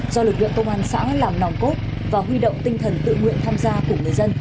do lực lượng công an xã làm nòng cốt và huy động tinh thần tự nguyện tham gia của người dân